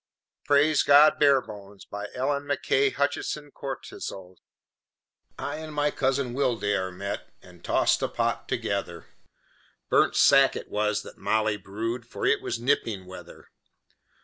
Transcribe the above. PRAISE GOD BAREBONES BY ELLEN MACKAY HUTCHINSON CORTISSOZ I and my cousin Wildair met And tossed a pot together Burnt sack it was that Molly brewed, For it was nipping weather.